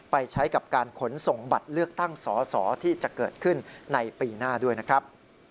ไปใช้กับการขนส่งบัตรเลือกตั้งสอสอที่จะเกิดขึ้นในปีหน้าด้วยนะครับ